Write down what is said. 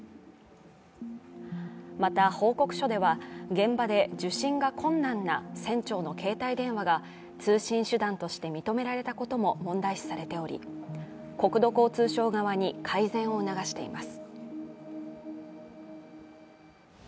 また、報告書では現場で受信が困難な船長の携帯電話が通信手段として認められたことも問題視されており国土交通省側に改善を促しています。